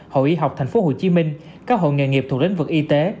hội y học tp hcm các hội nghề nghiệp thuộc lĩnh vực y tế